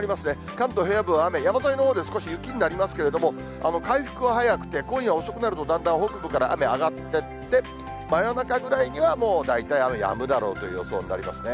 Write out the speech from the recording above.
関東平野部は雨、山沿いのほうで少し雪になりますけれども、回復は早くて今夜遅くなると、だんだん北部から雨上がってって、真夜中ぐらいにはもう大体雨、やむだろうという予想になりますね。